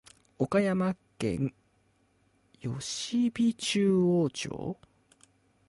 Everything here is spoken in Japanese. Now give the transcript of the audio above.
岡山県吉備中央町